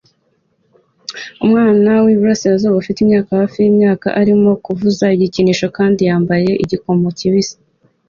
Umwana wiburasirazuba ufite imyaka hafi yimyaka arimo kuvuza igikinisho kandi yambaye igikomo kibisi